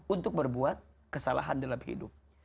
untuk berbuat kesalahan dalam hidup